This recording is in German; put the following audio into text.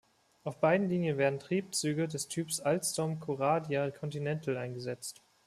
Auf beiden Linien werden Triebzüge des Typs Alstom Coradia Continental eingesetzt.